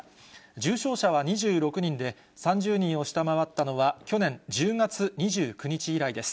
重症者は２６人で、３０人を下回ったのは、去年１０月２９日以来です。